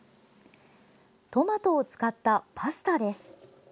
トマトを使ったパスタです。